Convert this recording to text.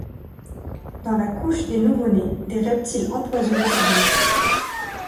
Dans la couche des nouveaux-nés Des reptiles empoisonnés Se glissent !